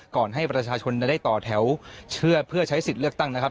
ให้ประชาชนได้ต่อแถวเชื่อเพื่อใช้สิทธิ์เลือกตั้งนะครับ